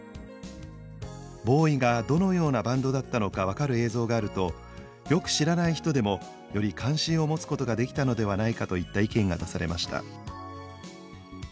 「ＢＯＷＹがどのようなバンドだったのか分かる映像があるとよく知らない人でもより関心を持つことができたのではないか」といった意見が出されました。